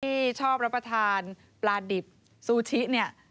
ที่ชอบรับประทานปลาดิบซูชิเนี่ย